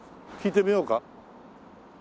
聞いてみようか？